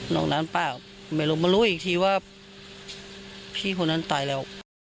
น้องน้ำเปล่าไม่รู้มารู้อีกทีว่าพี่คนนั้นตายแล้ว